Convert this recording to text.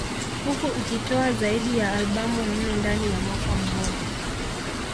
Huku ikitoa zaidi ya albamu nne ndani ya mwaka mmoja